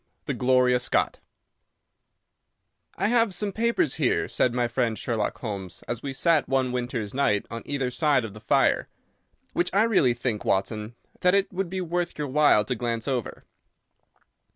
The "Gloria Scott" "I have some papers here," said my friend Sherlock Holmes, as we sat one winter's night on either side of the fire, "which I really think, Watson, that it would be worth your while to glance over.